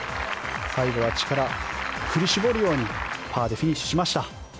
最後は力振り絞るようにパーでフィニッシュしました。